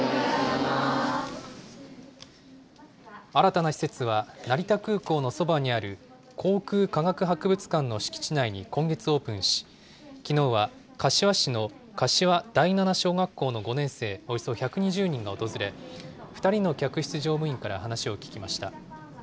新たな施設は、成田空港のそばにある航空科学博物館の敷地内に今月オープンし、きのうは柏市の柏第七小学校の５年生およそ１２０人が訪れ、２人の客室乗務員から話を聞きました。